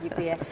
oke gitu ya